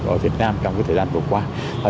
ở việt nam trong cái thời gian vừa qua